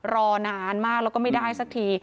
รอนานมากแล้วก็ไม่ได้สักที